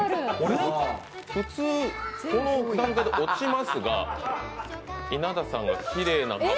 普通、この段階で落ちますが、稲田さんのきれいな顎が。